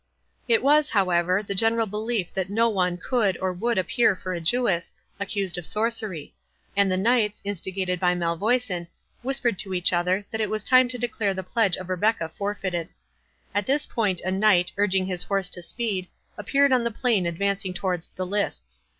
It was, however, the general belief that no one could or would appear for a Jewess, accused of sorcery; and the knights, instigated by Malvoisin, whispered to each other, that it was time to declare the pledge of Rebecca forfeited. At this instant a knight, urging his horse to speed, appeared on the plain advancing towards the lists.